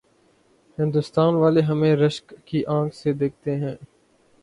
ہندوستان والے ہمیں رشک کی آنکھ سے دیکھتے۔